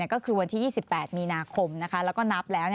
ก็คือวันที่๒๘มีนาคมแล้วก็นับแล้ว